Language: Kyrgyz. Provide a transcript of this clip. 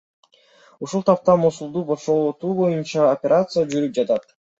Ушул тапта Мосулду бошотуу боюнча операция жүрүп жатат.